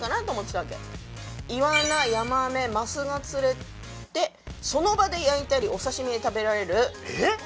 「イワナヤマメマスが釣れてその場で焼いたりお刺し身で食べられる」